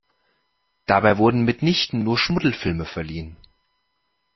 Dabei wurden mitnichten nur Schmuddelfilme verliehen.